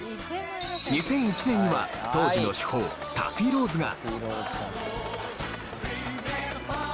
２００１年には当時の主砲タフィー・ローズが。